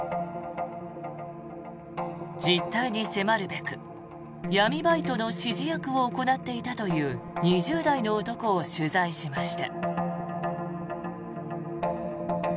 実態に迫るべく闇バイトの指示役を行っていたという２０代の男を取材しました。